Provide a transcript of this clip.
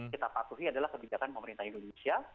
kita patuhi adalah kebijakan pemerintah indonesia